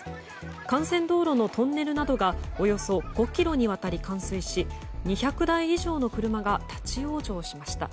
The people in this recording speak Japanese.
幹線道路のトンネルなどがおよそ５ｋｍにわたり冠水し２００台以上の車が立ち往生しました。